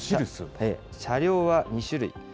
車両は２種類。